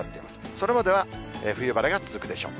それまでは冬晴れが続くでしょう。